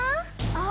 あ！